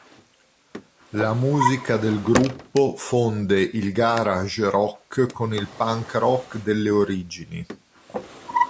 La musica del gruppo fonde il garage rock con il punk rock delle origini.